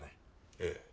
ええ。